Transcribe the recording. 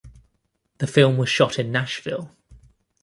The film was shot in Nashville.